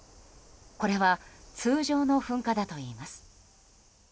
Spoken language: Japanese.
これは通常の噴火だといいます。